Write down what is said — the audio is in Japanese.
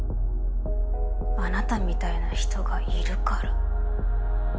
あなたみたいな人がいるから。